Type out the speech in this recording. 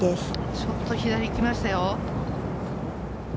ちょっと左に行きましたよ。